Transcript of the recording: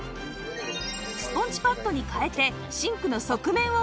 スポンジパッドに換えてシンクの側面をお掃除